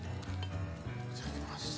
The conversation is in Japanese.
いただきます。